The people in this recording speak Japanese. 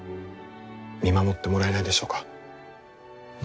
見守ってもらえないでしょうか？